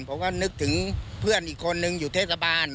ผมก็นึกถึงเพื่อนอีกคนนึงอยู่เทศบาล